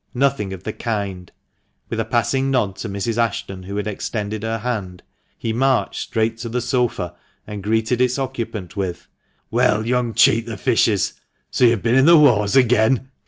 Nothing of the kind ! With a passing nod to Mrs. Ashton, who had extended her hand, he marched straight to the sofa, and greeted its occupant with "Well, young Cheat the fishes, so you've been in the wars again?"